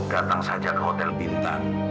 datang saja ke hotel bintan